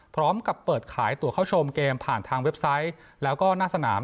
พร้อมกับเปิดขายตัวเข้าชมเกมผ่านทางเว็บไซต์แล้วก็หน้าสนาม